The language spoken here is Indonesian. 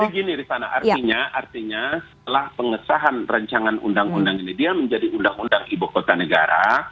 jadi gini ristana artinya setelah pengesahan rencangan undang undang ini dia menjadi undang undang ibu kota negara